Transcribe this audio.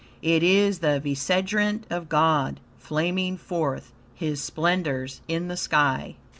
It is the Vicegerent of God, flaming forth His splendors in the sky.